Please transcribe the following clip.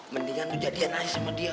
mendingan lo jadian aja sama dia